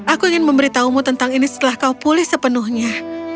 aku ingin memberitahumu tentang ini setelah kau pulih sepenuhnya